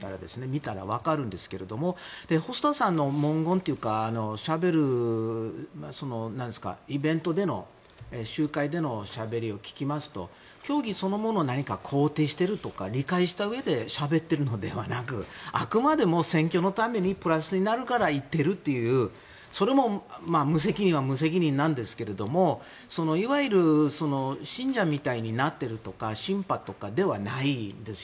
見たらわかるんですが細田さんの文言というかイベント、集会でのしゃべりを聞きますと教義そのものを肯定しているとか理解したうえでしゃべっているのではなくあくまでも選挙のためにプラスになるから行ってるというそれも無責任は無責任なんですがいわゆる信者みたいになってるとかシンパとかではないです。